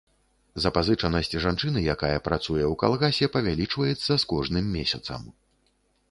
Запазычанасць жанчыны, якая працуе ў калгасе, павялічваецца з кожным месяцам.